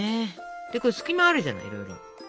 これ隙間あるじゃないいろいろ。